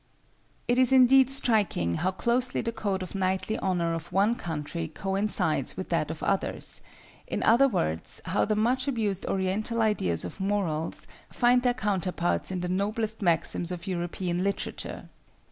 It is indeed striking how closely the code of knightly honor of one country coincides with that of others; in other words, how the much abused oriental ideas of morals find their counterparts in the noblest maxims of European literature.